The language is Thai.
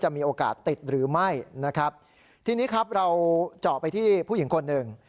มีโอกาสติดหรือไม่นะครับทีนี้ครับเราเจาะไปที่ผู้หญิงคนหนึ่ง